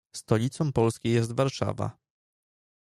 Stolicą Polski jest Warszawa.